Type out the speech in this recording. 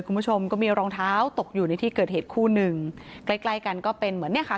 คุณผู้ชมก็มีรองเท้าตกอยู่ในที่เกิดเหตุคู่หนึ่งใกล้ใกล้กันก็เป็นเหมือนเนี่ยค่ะ